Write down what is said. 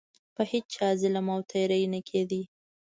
په هیچا ظلم او تیری نه کېده.